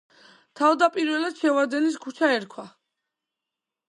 თავდაპირველად შევარდენის ქუჩა ერქვა.